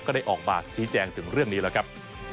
ได้ออกมาชี้แจงถึงเรื่องนี้แล้วครับ